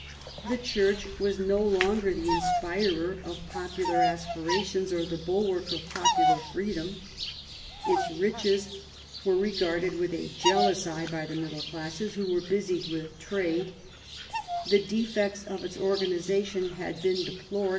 The Church was no longer the inspirer of popular aspirations or the bulwark of popular freedom. Its riches were regarded with a jealous eye by the middle classes, who were busied with trade ; the defects of its organisation had been deplored /' 128 THOMAS WOLSEY chap.